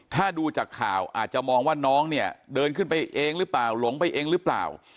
ถ้าดูจากข่าวอาจจะมองว่าน้องเนี่ยเดินขึ้นไปเองหรือเปล่าหลงไปเองหรือเปล่า